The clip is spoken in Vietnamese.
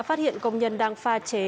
phát hiện công nhân đang pha chế